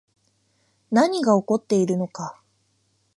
何が起こっているのか